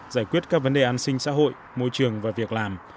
giải quyết các vấn đề an sinh xã hội môi trường và việc làm